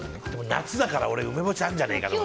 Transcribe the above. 夏だから梅干しあるんじゃないかな。